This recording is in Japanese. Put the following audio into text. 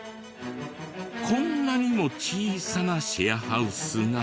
こんなにも小さなシェアハウスが。